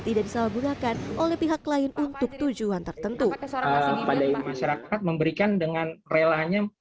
tidak disalahgunakan oleh pihak lain untuk tujuan tertentu pada masyarakat memberikan dengan relanya